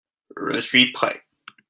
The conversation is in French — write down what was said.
Je suis prêt.